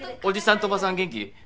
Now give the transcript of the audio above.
おじさんとおばさん元気？